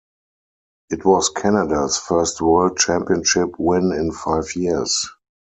It was Canada's first World Championship win in five years.